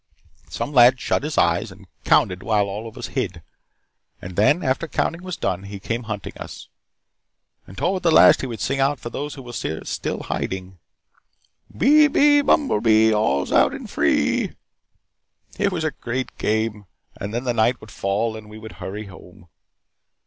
Some lad shut his eyes and counted while all of us hid. And then, after the counting was done, he came hunting us. And toward the last he would sing out for those who were still hiding: 'Bee, bee, bumblebee, all's out's in free.' It was a great game, and then the night would fall and we would hurry home.